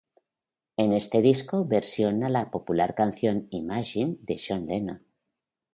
En este disco versiona la popular canción "Imagine" de John Lennon.